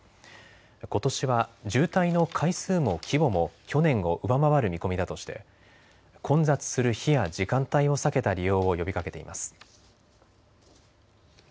ことしは渋滞の回数も規模も去年を上回る見込みだとして混雑する日や時間帯を避けた利用を呼びかけています。